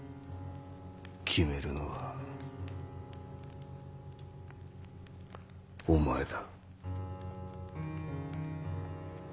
決めるのはお前だ。